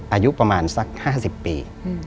อายุประมาณสัก๕๐ปี